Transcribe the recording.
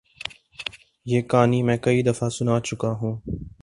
یہ کہانی میں کئی دفعہ سنا چکا ہوں۔